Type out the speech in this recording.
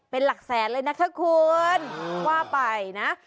เป็นหลักแสนเลยนะคะคุณว่าไปนะ